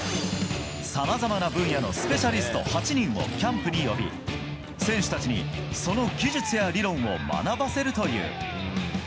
さまざまな分野のスペシャリスト８人をキャンプに呼び選手たちにその技術や理論を学ばせるという。